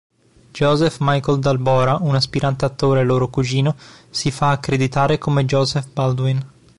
Joseph Michael D'Albora, un aspirante attore loro cugino, si fa accreditare come Joseph Baldwin.